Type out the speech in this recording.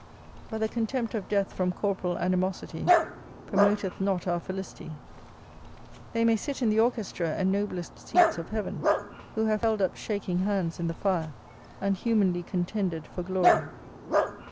But the contempt of death from corporal animosity, promoteth not our felicity. They may sit in the orchestra, and noblest seats of heaven, who have held up shaking hands in the fire, and humanly contended for glory.